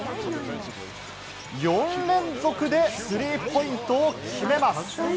４連続でスリーポイントを決めます！